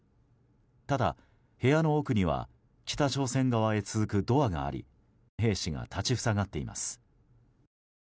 ただ、部屋の奥には北朝鮮側へ続くドアがあり兵士が立ち塞がっています。